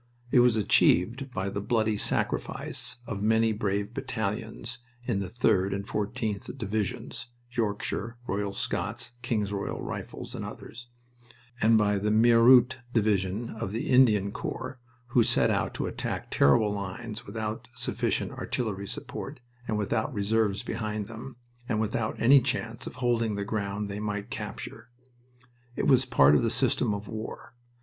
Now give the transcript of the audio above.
It was achieved by the bloody sacrifice of many brave battalions in the 3d and 14th Divisions (Yorkshire, Royal Scots, King's Royal Rifles, and others), and by the Meerut Division of the Indian Corps, who set out to attack terrible lines without sufficient artillery support, and without reserves behind them, and without any chance of holding the ground they might capture. It was part of the system of war.